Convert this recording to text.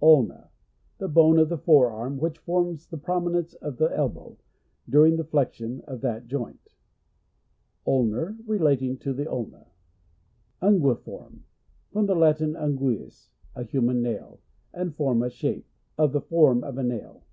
Ulna. — The bone of the forearm, which forms the prominence of the elbow, during the flexion of that joint. Ulnar. — Relating to the ulna. Unguiform. — From the Latin, unguis, a human nail, and forma, shape — Of the form of a nail.